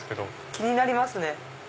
気になりますね。